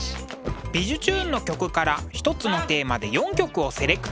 「びじゅチューン！」の曲から１つのテーマで４曲をセレクト。